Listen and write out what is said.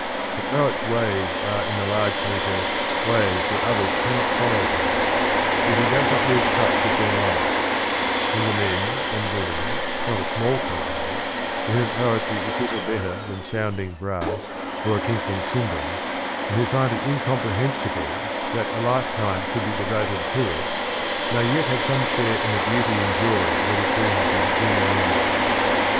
The poet's ways are in a large measure ways vdiere otners cannot foilo' v hi.m, yet he does noi lose touch with their life; and the men and wnm in — not a small company — to whomi poetry is little better chan sounding brass or a tinkling cymbal, ;:nd who fi~il it incom; prehensible that a lifetimie should be devoted to it, may yet have some share in the beauty and joy that it brings into human life.